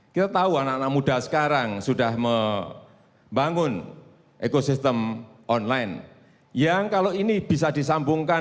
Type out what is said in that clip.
kita tahu anak anak muda sekarang sudah membangun ekosistem online yang kalau ini bisa disambungkan